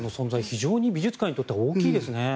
非常に美術界にとっては大きいですね。